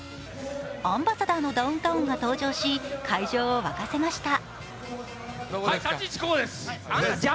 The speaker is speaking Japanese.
アンバサダーのダウンタウンが登場し、会場を沸かせました。